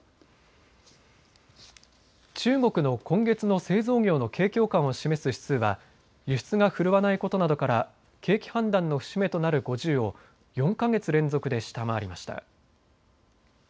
中国の今月の製造業の景況感を示す指数は輸出が振るわないことなどから景気判断の節目となる５０を４か月連続で下回りました。